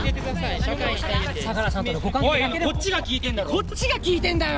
こっちが聞いてんだよ！